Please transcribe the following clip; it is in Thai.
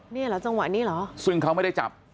เนี่ยเหรอจังหวะนี้เหรอซึ่งเขาไม่ได้จับ